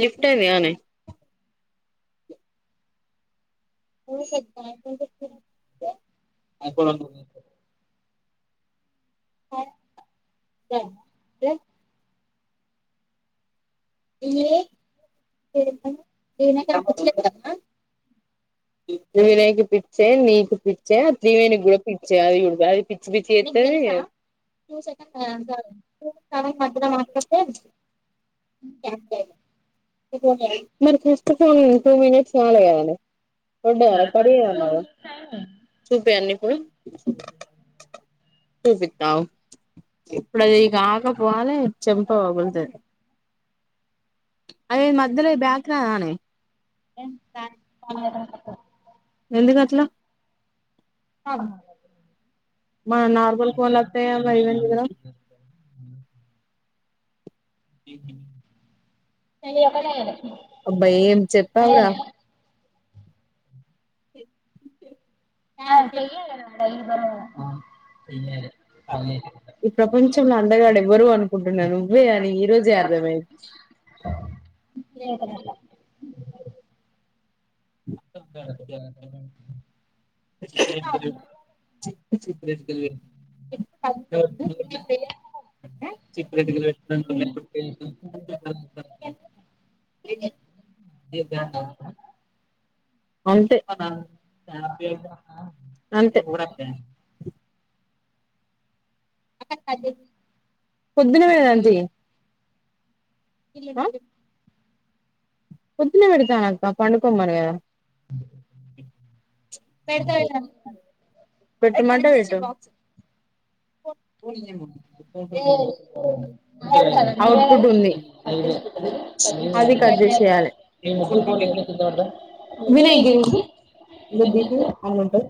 Left అయింది గా నే పోస ఎంగ [inaudible] స స [inaudible] ఇవి ఏ [inaudible] ఇప్పేదానికి పిచ్చే నీకు పి [unintelligible] అది పిచ్చి పిచ్చిస్త మ ఫస్ట్ ఫోన్ టూ మినిట్స్ చాల కదడి వండినా కర్రీ నరకడి ఏమన్నా చూపియాలనా ఇప్పుడు చూపి తాగు ఇప్పుడు అదికాక పోవాలా చెంప పగుల్తది అవి మధ్యలో బ్యాక్ రాదా అనె ఎందుకు అట్లా మన నార్మల్ ఫోన్లు వత్తయి గా ఇవి ఎందుకు రావు ఇవి అ ఒక్కటే. అబ్బ ఏం చెప్పావురా అతేయ [unintelligible] [unintelligible] ఈ ప్రపంచంలో అండగాడు ఎవ్వరు అనుకుంటున్నా నువ్వే అని ఈ రోజే అర్థమైంది. లేతనట్లా [inaudible] చ [unintelligible] అంతే అంతే పొద్దు వెళ్దాం తీయ్ పొద్దున పెడితాన అక్క పడుకొమ్మరె పెడితే ఐపోయి పెట్ట మాంటే పెట్టావా మీ అ ఔట్పుట్ ఉంది అది కట్ చేసేయాలి మీ ముగ్గు ద వినయ్ గిరి ఇది తీసి అమ్ముంట మ